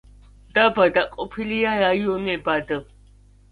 დაბა დაყოფილია რაიონებად.